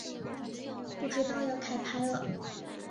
不知道要开拍了